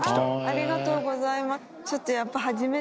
ありがとうございます。